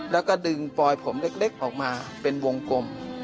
แล้วก็ดึงปลอยผมเล็กออกมาเป็นวงกลม